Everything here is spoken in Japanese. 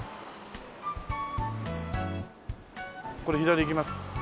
これ左行きます。